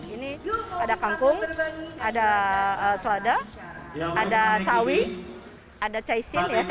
ini ada kangkung ada selada ada sawi ada caicine